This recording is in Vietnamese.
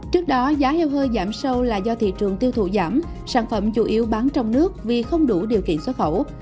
trước đó giá heo hơi giảm sâu là do thị trường tiêu thụ giảm sản phẩm chủ yếu bán trong nước vì không đủ điều kiện xuất khẩu